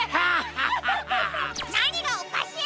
なにがおかしい！